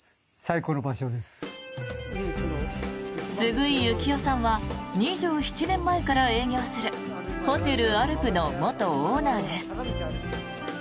次井雪雄さんは２７年前から営業するホテル、アルプの元オーナーです。